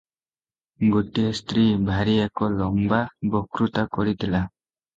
ଗୋଟିଏ ସ୍ତ୍ରୀ ଭାରି ଏକ ଲମ୍ବା ବକ୍ତୃତା କରିଥିଲା ।